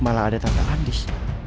malah ada tante andis